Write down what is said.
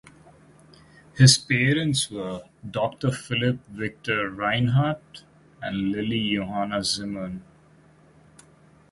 His parents were Doctor Philipp Victor Reinhardt and Lilli Johanna Zimmern.